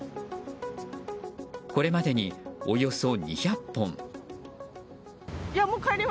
これまでにおよそ２００本。